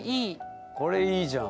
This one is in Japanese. これいいじゃん！